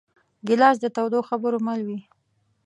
ګیلاس د تودو خبرو مل وي.